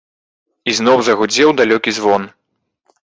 Ізноў загудзеў далёкі звон.